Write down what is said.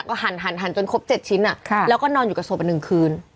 ก็หันหันจนครบ๗ชิ้นน่ะแล้วก็นอนอยู่กับศพอันหนึ่งคืน